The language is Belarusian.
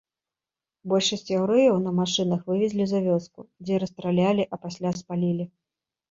Большасць яўрэяў на машынах вывезлі за вёску, дзе расстралялі, а пасля спалілі.